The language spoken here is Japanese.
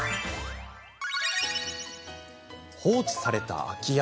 放置された空き家。